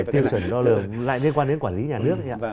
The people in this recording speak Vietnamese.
tiêu chuẩn lo lượng lại liên quan đến quản lý nhà nước